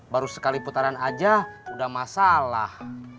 baru sekali putaran aja udah masalah